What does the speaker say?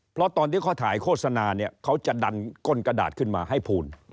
เพราะตอนที่เขาถ่ายโฆษณาเนี่ยเขาจะดันก้นกระดาษขึ้นมาให้พูน